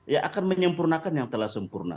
ya akan menyempurnakan yang telah sempurna